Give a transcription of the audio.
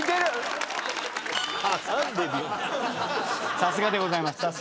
さすがでございました。